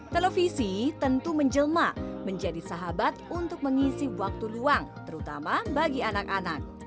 televisi tentu menjelma menjadi sahabat untuk mengisi waktu luang terutama bagi anak anak